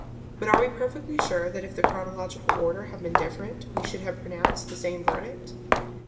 But are we perfectly sure that if the chronological order had been different we should have pronounced the same verdict?